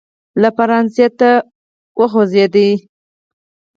لی فرانسې ته وخوځېد.